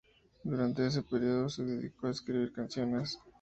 Durante ese período, se dedicó a escribir canciones.